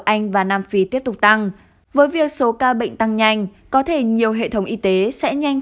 anh và nam phi tiếp tục tăng với việc số ca bệnh tăng nhanh có thể nhiều hệ thống y tế sẽ nhanh